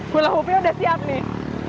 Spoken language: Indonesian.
bila hubungan sudah siap nih